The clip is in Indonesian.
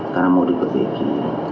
karena mau dibebeki